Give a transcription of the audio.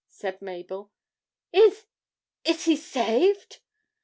said Mabel. 'Is is he saved?'